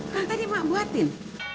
kan tadi ma buatin